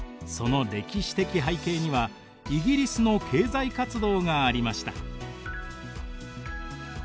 その歴史的背景にはイギリスの経済活動がありました。